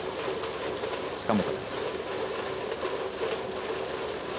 近本です。